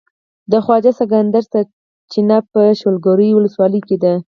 د خواجه سکندر چينه په شولګرې ولسوالۍ کې ده.